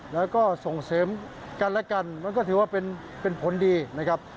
แล้วก็ส่งเสริมกันและกันมันก็ถือว่าเป็นผลดีนะครับ